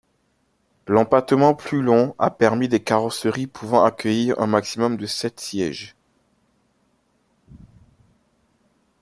L'empattement plus long a permis des carrosseries pouvant accueillir un maximum de sept sièges.